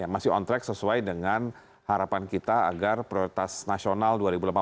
masih on track sesuai dengan harapan kita agar prioritas nasional dua ribu delapan belas